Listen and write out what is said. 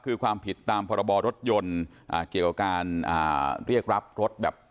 คือความผิดตามพรบรถยนต์เกี่ยวกับการเรียกรับรถแบบ